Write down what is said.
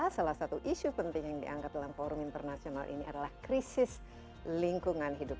salah satu isu penting yang diangkat dalam forum internasional ini adalah krisis lingkungan hidup